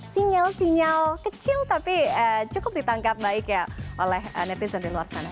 sinyal sinyal kecil tapi cukup ditangkap baik ya oleh netizen di luar sana